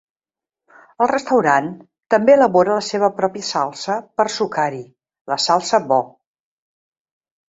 El restaurant també elabora la seva pròpia salsa per sucar-hi, la salsa Bo.